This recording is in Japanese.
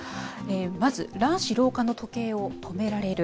まず卵子老化の時計を止められる。